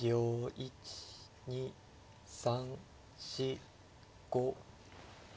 １２３４５。